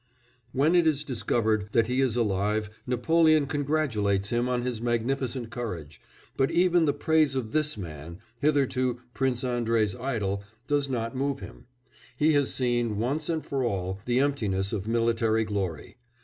When it is discovered that he is alive Napoleon congratulates him on his magnificent courage; but even the praise of this man, hitherto Prince Andrei's idol, does not move him. He has seen, once and for all, the emptiness of military glory.